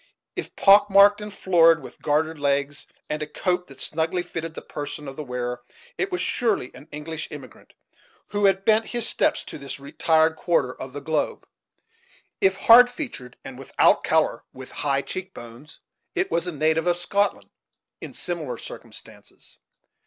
If pock marked and florid, with gartered legs, and a coat that snugly fitted the person of the wearer, it was surely an English emigrant, who had bent his steps to this retired quarter of the globe. If hard featured and without color, with high cheek bones, it was a native of Scotland, in similar circumstances.